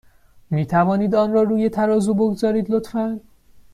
می توانید آن را روی ترازو بگذارید، لطفا؟